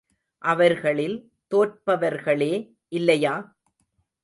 அவர்களில் தோற்பவர்களே இல்லையா?